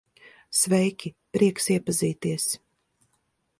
Sveiki, prieks iepazīties.